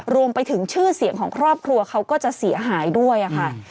รวมไปถึงชื่อเสียงของครอบครัวเขาก็จะเสียหายด้วยค่ะ